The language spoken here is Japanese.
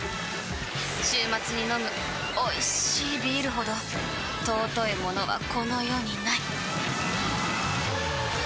週末に飲むおいしいビールほど尊いものはこの世にない！